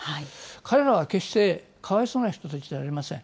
彼らは決してかわいそうな人たちではありません。